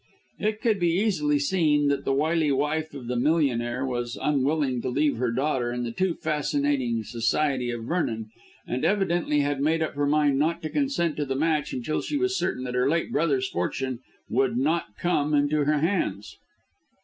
It could be easily seen that the wily wife of the millionaire was unwilling to leave her daughter in the too fascinating society of Vernon, and evidently had made up her mind not to consent to the match until she was certain that her late brother's fortune would not come into her hands.